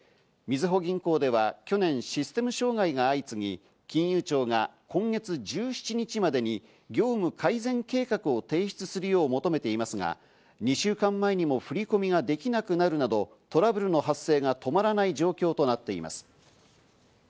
みずほ銀行では去年、システム障害が相次ぎ、金融庁が今月１７日までに業務改善計画を提出するよう求めていますが、２週間前にも振り込みができなくなるなどトラブルの発生が止まらない状況となっています。